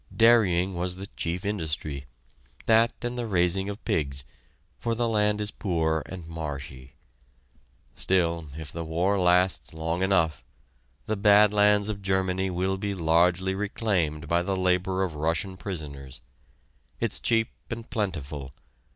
Dairying was the chief industry; that and the raising of pigs, for the land is poor and marshy. Still, if the war lasts long enough, the bad lands of Germany will be largely reclaimed by the labor of Russian prisoners. It's cheap and plentiful.